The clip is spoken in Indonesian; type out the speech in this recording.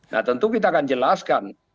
nah tentu kita akan jelaskan